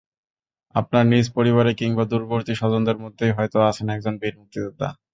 আপনার নিজ পরিবারে কিংবা দূরবর্তী স্বজনদের মধ্যেই হয়তো আছেন একজন বীর মুক্তিযোদ্ধা।